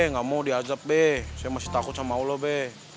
gak mau diajab be saya masih takut sama lo be